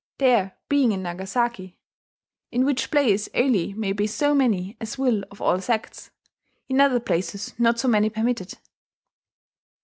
theare beinge in Nangasaki, in which place only may be so manny as will of all sectes: in other places not so many permitted...."